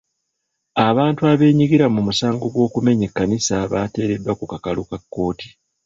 Abantu abeenyigira mu musango gw'okumenya ekkanisa baateereddwa ku kakalu ka kkooti.